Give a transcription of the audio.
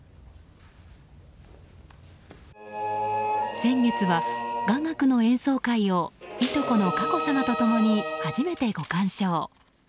先月は、雅楽の演奏会をいとこの佳子さまと共に初めてご鑑賞。